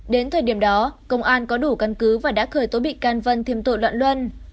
đến thời điểm đó công an có đủ căn cứ và đã khởi tố bị can vân thêm tội loạn luân